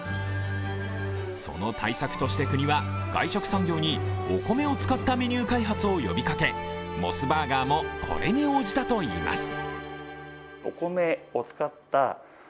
その対策として、国は外食産業にお米を使ったメニュー開発を呼びかけモスバーガーも、これに応じたといいます。